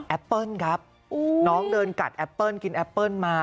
เปิ้ลครับน้องเดินกัดแอปเปิ้ลกินแอปเปิ้ลมา